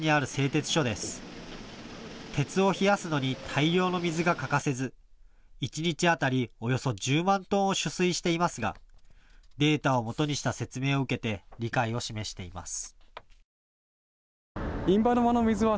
鉄を冷やすのに大量の水が欠かせず、一日当たりおよそ１０万トンを取水していますがデータをもとにした説明を受けて理解を示しています。